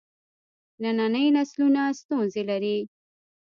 ننني نسلونه ستونزې لري.